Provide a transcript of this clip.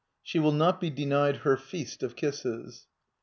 She will not be denied her feast of kisses.